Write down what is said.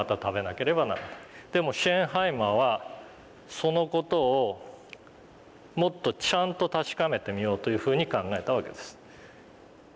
でもシェーンハイマーはその事をもっとちゃんと確かめてみようというふうに考えたわけです。